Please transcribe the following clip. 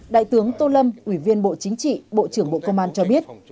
đại tướng tô lâm ủy viên bộ chính trị bộ trưởng bộ công an cho biết